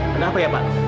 kenapa ya pak